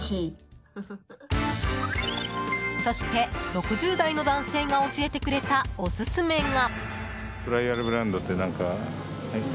そして、６０代の男性が教えてくれたオススメが。